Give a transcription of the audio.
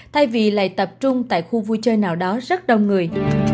thay vì lại tập trung tại khu vui chơi nào đó rất đông người